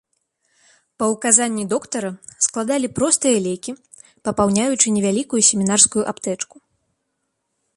Па ўказанні доктара, складалі простыя лекі, папаўняючы невялікую семінарскую аптэчку.